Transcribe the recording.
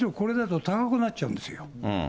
むしろこれだと高くなっちゃうんですよ。